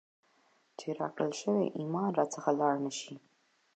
چي راکړل سوئ ایمان را څخه ولاړ نسي ،